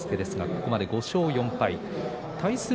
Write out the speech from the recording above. ここまで５勝４敗です。